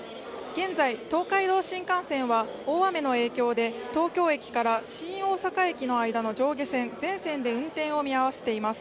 現在、東海道新幹線は大雨の影響で東京駅から新大阪駅の上下線全線で運転を見合わせています。